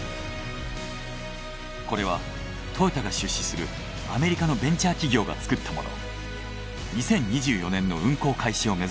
これはトヨタが出資するアメリカのベンチャー企業が作ったもの。